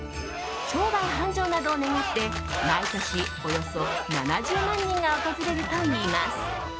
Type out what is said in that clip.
商売繁盛などを願って毎年、およそ７０万人が訪れるといいます。